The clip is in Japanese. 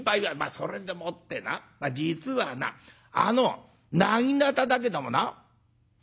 「それでもってな実はなあのなぎなただけどもな」。